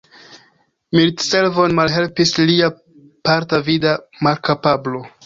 Militservon malhelpis lia parta vida malkapablo.